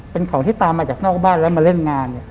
เป็นของที่ตามมาจากนอกบ้านแล้วมาเล่นงาน